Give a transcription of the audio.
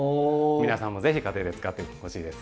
皆さんもぜひ家庭で使ってほしいです。